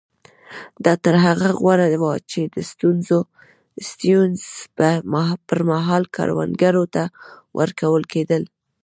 دا تر هغه غوره وو چې د سټیونز پر مهال کروندګرو ته ورکول کېدل.